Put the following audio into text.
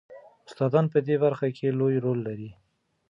استادان په دې برخه کې لوی رول لري.